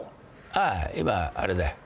ああ今あれだよ。